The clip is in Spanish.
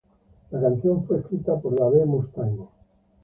La canción fue escrita por Dave Mustaine.